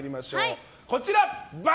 こちら。